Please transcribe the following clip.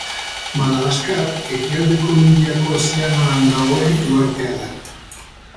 Madagaskar ekialdeko Indiako ozeanoan dagoen uhartea da.